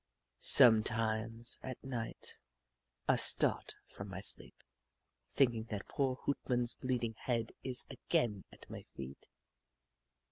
Sometimes, at night, I start from my sleep, thinking that poor Hoot Mon's bleeding head is again at my feet.